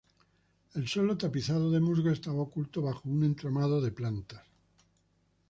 El suelo tapizado de musgo estaba oculto bajo un entramado de plantas.